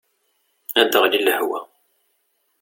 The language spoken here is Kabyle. Ad aɣli lehwa.